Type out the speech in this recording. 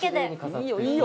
いいよいいよ！